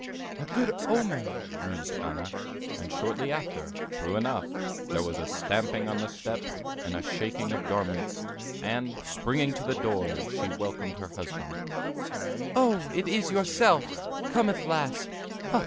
"A good omen!" mused Anna; and shortly after, true enough, there was a stamping on the step, and a shaking of garments; and, springing to the door, she welcomed her husband. "O, it is yourself! come at last.